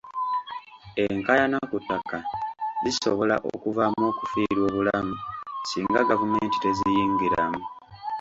Enkaayana ku ttaka zisobola okuvaamu okufiirwa obulamu singa gavumenti teziyingiramu.